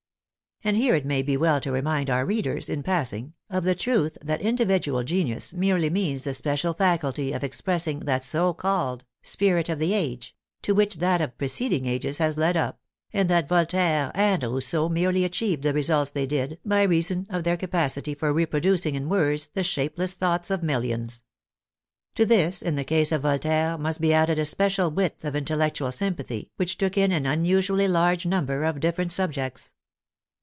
And here it may be well to remind our readers, in passing, of the truth that individual genius merely means the special faculty of expressing that so called " spirit of the age " to which that of preceding ages has led up; and that Voltaire and Rousseau merely achieved the results they did by reason of their capacity for re producing in words the shapeless thoughts of millions. To this, in the case of Voltaire, must be added a special width of intellectual sympathy which took in an unusually large number of different subjects.